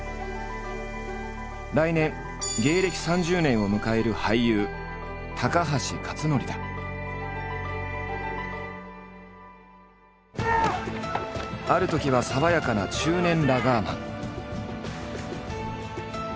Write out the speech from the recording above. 来年芸歴３０年を迎えるあるときは爽やかな中年ラガーマン。